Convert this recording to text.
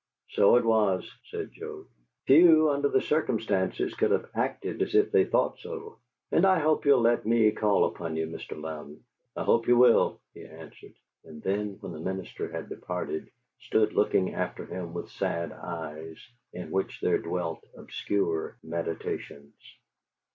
"So it was," said Joe. "Few, under the circumstances, could have acted as if they thought so! And I hope you'll let me call upon you, Mr. Louden." "I hope you will," he answered; and then, when the minister had departed, stood looking after him with sad eyes, in which there dwelt obscure meditations.